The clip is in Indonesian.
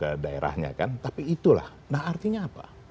kepala daerahnya kan tapi itulah nah artinya apa